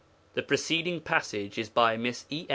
"' The preceding passage is by Miss E.